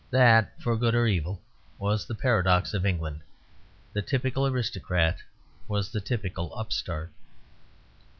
That, for good or evil, was the paradox of England; the typical aristocrat was the typical upstart.